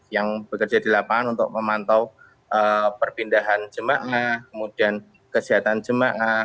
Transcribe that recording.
yang bekerja di lapangan untuk memantau perpindahan jemaah kemudian kesehatan jemaah